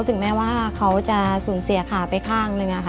ถึงแม้ว่าเขาจะสูญเสียขาไปข้างหนึ่ง